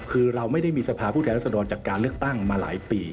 คือเราไม่ได้มีสภาพผู้แทนรัศดรจากการเลือกตั้งมาหลายปี